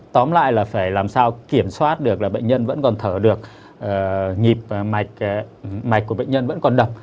tóm lại là phải làm sao kiểm soát được là bệnh nhân vẫn còn thở được nhịp mạch của bệnh nhân vẫn còn độc